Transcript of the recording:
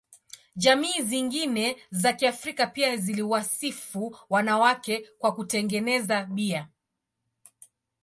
Jamii zingine za Kiafrika pia ziliwasifu wanawake kwa kutengeneza bia.